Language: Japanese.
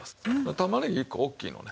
玉ねぎ１個大きいのね。